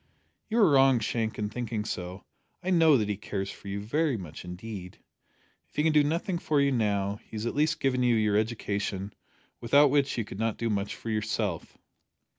"You are wrong, Shank, in thinking so. I know that he cares for you very much indeed. If he can do nothing for you now, he has at least given you your education, without which you could not do much for yourself."